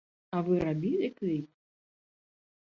А вы рабілі кліп?